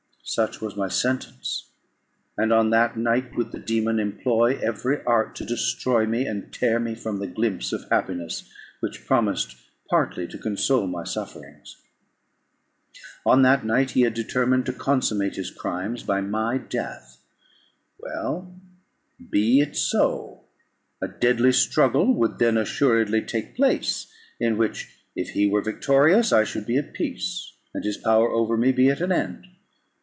_" Such was my sentence, and on that night would the dæmon employ every art to destroy me, and tear me from the glimpse of happiness which promised partly to console my sufferings. On that night he had determined to consummate his crimes by my death. Well, be it so; a deadly struggle would then assuredly take place, in which if he were victorious I should be at peace, and his power over me be at an end.